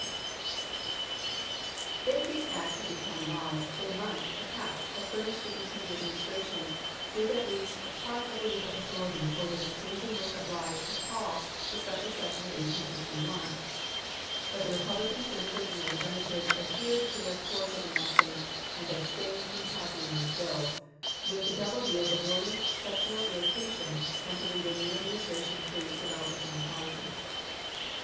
If these acts had be come laws, they might, perhaps, have furnished the incoming Administration with at least a part of the legal authority for which Lincoln was obliged 238 ABKAHAM LINCOLN chap. xv. to call the special session of 1861. But the Repub lican Senators and Representatives adhered to their course of inaction, and abstained from passing these bills, with the double view of avoiding sec tional irritation, and to leave the new Administra tion free to develop its own policy.